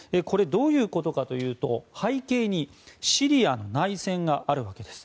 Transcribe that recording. どういうことかというと背景にシリア内戦があるわけです。